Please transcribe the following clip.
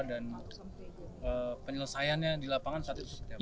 dan penyelesaiannya di lapangan saat itu